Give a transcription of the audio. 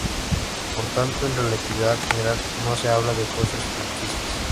Por tanto en relatividad general no se habla de fuerzas ficticias.